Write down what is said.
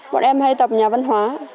bọn em hay tập nhà văn hóa